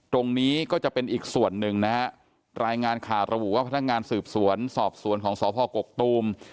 ตรงนี้ก็จะเป็นอีกส่วนหนึ่งนะฮะรายงานข่าวระบุว่าพนักงานสืบสวนสอบสวนของสพกกตูม